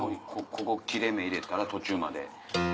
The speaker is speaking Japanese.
ここ切れ目入れたら途中まで。